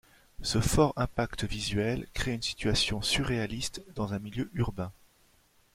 Ce fort impact visuel crée une situation surréaliste dans un milieu urbain.